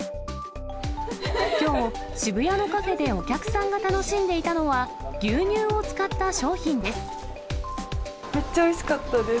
きょう、渋谷のカフェでお客さんが楽しんでいたのは、牛乳を使った商品でめっちゃおいしかったです。